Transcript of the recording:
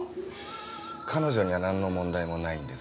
彼女にはなんの問題もないんですが。